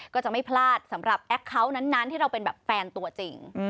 ก็จะไม่พลาดสำหรับแอคเคาน์นั้นที่เราเป็นแบบแฟนตัวจริง